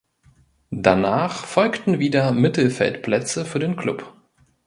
Danach folgten wieder Mittelfeldplätze für den Klub.